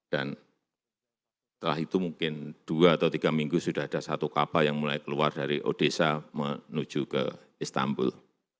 dan setelah itu mungkin dua atau tiga minggu sudah ada satu kapal yang mulai keluar dari odessa menuju ke istanbul